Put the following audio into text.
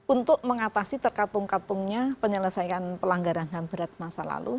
untuk mengatasi terkatung katungnya penyelesaian pelanggaran ham berat masa lalu